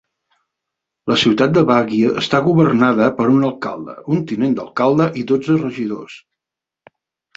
La ciutat de Baguio està governada per un alcalde, un tinent d'alcalde i dotze regidors.